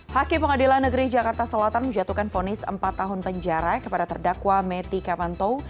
hakim pengadilan negeri jakarta selatan menjatuhkan fonis empat tahun penjara kepada terdakwa meti kamantau